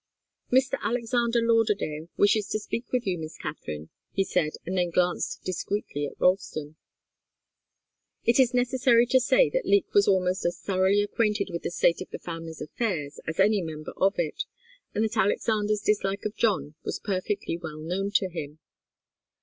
"Mr. Alexander Lauderdale wishes to speak with you, Miss Katharine," he said, and then glanced discreetly at Ralston. It is necessary to say that Leek was almost as thoroughly acquainted with the state of the family's affairs as any member of it, and that Alexander's dislike of John was perfectly well known to him.